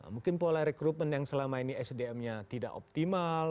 mungkin pola rekrutmen yang selama ini sdm nya tidak optimal